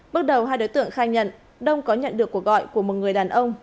bước đầu hai đối tượng khai nhận đông có nhận được cuộc gọi của một người đàn ông